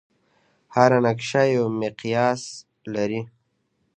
هره نقشه یو مقیاس لري.